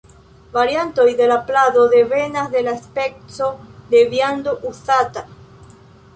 Variantoj de la plado devenas de la speco de viando uzata.